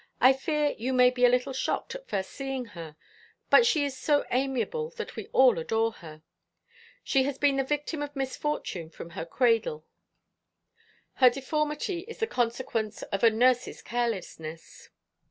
"I fear you may be a little shocked at first seeing her, but she is so amiable that we all adore her. She has been the victim of misfortune from her cradle. Her deformity is the consequence of a nurse's carelessness.